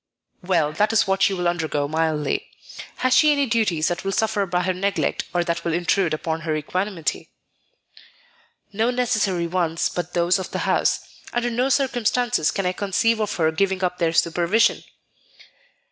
"Well, that is what she will undergo mildly. Has she any duties that will suffer by her neglect or that will intrude upon her equanimity?" "No necessary ones but those of the house. Under no circumstances can I conceive of her giving up their supervision."